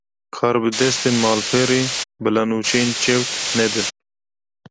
Karbidestên malperê, bila nûçeyên çewt nedin